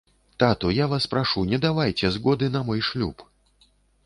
Тату, я вас прашу, не давайце згоды на мой шлюб.